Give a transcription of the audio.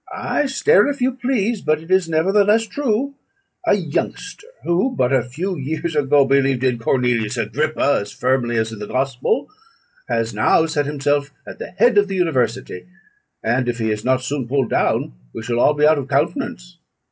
Ay, stare if you please; but it is nevertheless true. A youngster who, but a few years ago, believed in Cornelius Agrippa as firmly as in the gospel, has now set himself at the head of the university; and if he is not soon pulled down, we shall all be out of countenance.